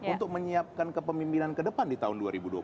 untuk menyiapkan kepemimpinan ke depan di tahun